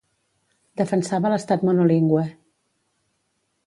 Defensava l'estat monolingüe.